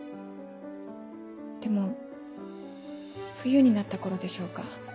でも冬になった頃でしょうか。